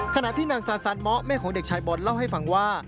ขณะที่นางซาซานเมาะแม่ของเด็กชายบอลเล่าให้ฟังว่า